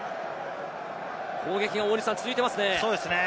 攻撃が続いていますね。